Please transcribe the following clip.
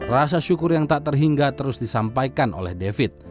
rasa syukur yang tak terhingga terus disampaikan oleh david